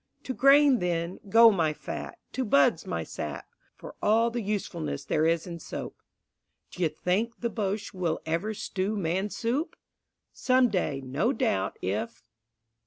To grain, then, go my fat, to buds my sap, For all the usefulness there is in soap. D'you think the Boche will ever stew man soup? Some day, no doubt, if